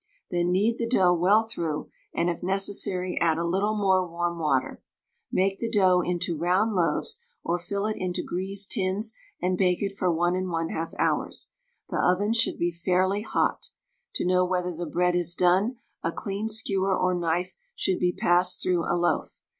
Then knead the dough well through, and if necessary add a little more warm water. Make the dough into round loaves, or fill it into greased tins, and bake it for 1 1/2 hours. The oven should be fairly hot. To know whether the bread is done, a clean skewer or knife should be passed through a loaf.